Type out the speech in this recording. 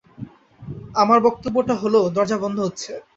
আমার বক্তব্যটা হলো, দরজা বন্ধ হচ্ছে।